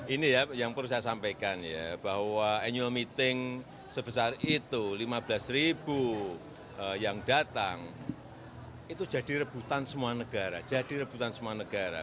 ini yang perlu saya sampaikan ya bahwa annual meeting sebesar itu lima belas yang datang itu jadi rebutan semua negara